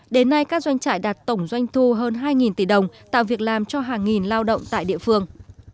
đến nay các doanh trại đạt tổng doanh thu hơn hai tỷ đồng tạo việc làm cho hàng nghìn lao động tại địa phương